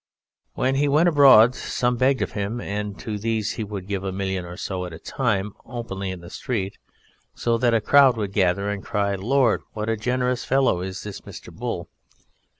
When he went abroad some begged of him, and to these he would give a million or so at a time openly in the street, so that a crowd would gather and cry, "Lord! what a generous fellow is this Mr. Bull!"